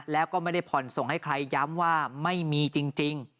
แล้วก็ไม่ได้ผ่อนส่งให้ใครย้ำว่าไม่มีจริง